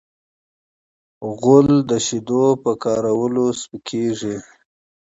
غول د شیدو په کارولو سپکېږي.